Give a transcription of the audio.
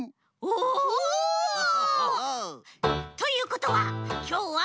おお！ということはきょうは。